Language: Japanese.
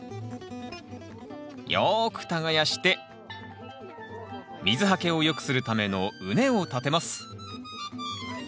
よく耕して水はけを良くするための畝を立てます。